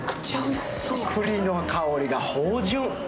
栗の香りが芳醇。